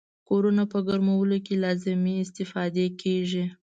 کورونو په ګرمولو کې لازمې استفادې کیږي.